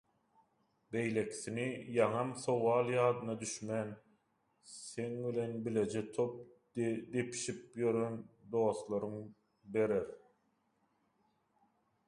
beýlekisini ýaňam sowal ýadyna düşmän, seň bilen bileje top depişip ýören dostlaryň berer.